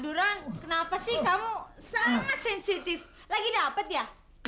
tiduran kenapa sih kamu sangat sensitif lagi dapat ya